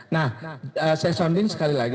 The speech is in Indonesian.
nah saya sounding sekali lagi